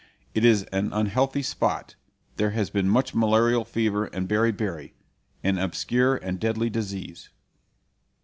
It is an unhealthy spot; there has been much malarial fever and beriberi an obscure and deadly disease.